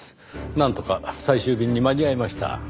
なんとか最終便に間に合いました。